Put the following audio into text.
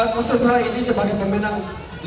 kosovo ini sebagai pemenang lima puluh